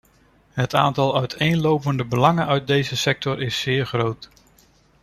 Het aantal uiteenlopende belangen uit deze sector is zeer groot.